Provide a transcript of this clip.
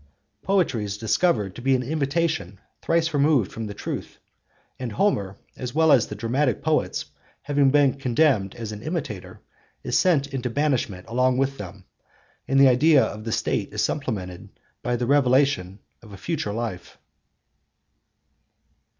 Poetry is discovered to be an imitation thrice removed from the truth, and Homer, as well as the dramatic poets, having been condemned as an imitator, is sent into banishment along with them. And the idea of the State is supplemented by the revelation of a future life.